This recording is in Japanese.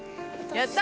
やった！